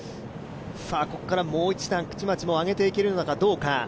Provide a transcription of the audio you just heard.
ここからもう一段、口町も上げているのかどうか。